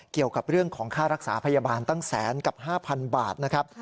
เกี่ยวกับเรื่องของค่ารักษาพยาบาลตั้งแสนกับ๕๐๐บาทนะครับ